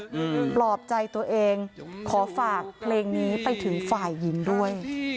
อืมปลอบใจตัวเองขอฝากเพลงนี้ไปถึงฝ่ายหญิงด้วย